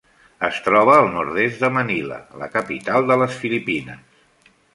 Es troba al nord-est de Manila, la capital de les Filipines.